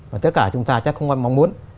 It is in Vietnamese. và tất cả chúng ta chắc không có mong muốn